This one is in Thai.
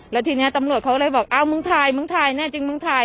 แล้วทีนี้ตำรวจเขาเลยบอกอ้าวมึงถ่ายมึงถ่ายแน่จริงมึงถ่าย